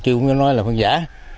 chứ không có nói là phân giả